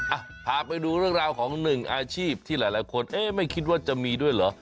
อ่ะพาไปดูเรื่องราวของหนึ่งอาชีพที่หลายคนเอ๊ะไม่คิดว่าจะมีด้วยเหรอ